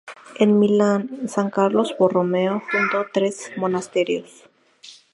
En Milán San Carlos Borromeo fundó tres monasterios.